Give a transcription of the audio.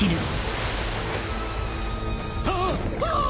［あっ！ああ！